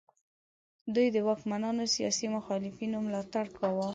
دوی د واکمنانو سیاسي مخالفینو ملاتړ کاوه.